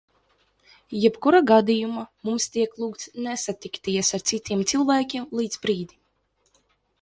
Jebkurā gadījumā, mums tiek lūgts nesatikties ar citiem cilvēkiem līdz brīdim.